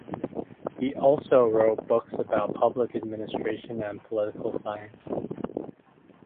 He also wrote books about public administration and political science.